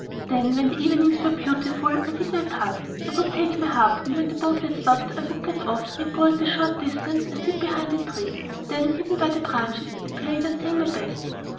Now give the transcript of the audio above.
Then, when the evenings were beautiful, I did my part. I would take my harp and when the boat had stopped I would get off and go at a short distance and sit behind a tree. Then, hidden by the branches, I played and sang my best.